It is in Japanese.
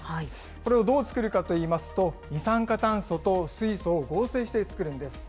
これをどう作るかといいますと、二酸化炭素と水素を合成して作るんです。